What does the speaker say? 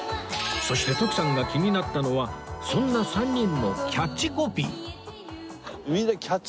そして徳さんが気になったのはそんな３人のキャッチコピー